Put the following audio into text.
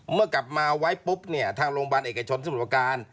เมื่อกลับมาเอาไว้ปุ๊บทางโรงพยาบาลเอกชนสมุทธการ